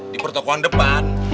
di pertokohan depan